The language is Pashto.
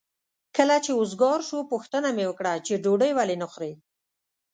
کله چې وزګار شو پوښتنه مې وکړه چې ډوډۍ ولې نه خورې؟